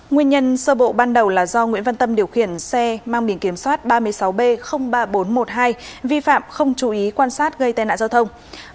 nguyên nhân sơ bộ ban đầu là do nguyễn văn tâm điều khiển xe mang biển kiểm soát ba mươi sáu b ba nghìn bốn trăm một mươi hai vi phạm không chú ý quan sát gây tai nạn giao thông